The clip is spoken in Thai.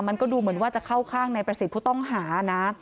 มันก็ดูเหมือนว่าจะเข้าข้างในประสิทธิ์ผู้ต้องหานะ